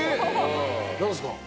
何ですか？